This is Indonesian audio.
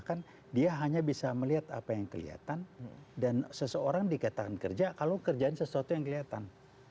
kan dia hanya bisa melihat apa yang kelihatan dan seseorang dikatakan kerja kalau kerjaan sesuatu yang kelihatan